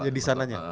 ya di sananya